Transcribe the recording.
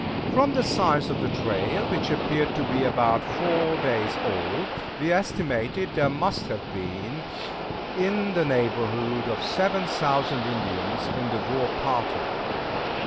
From the size of the trail, which appeared to be about four days old, we estimated that there must have been in the neighborhood of seven thousand Indians in the war party.